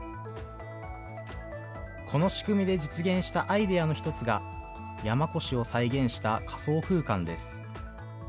この仕組みで実現したアイデアの１つが、山古志を再現した仮想空間です。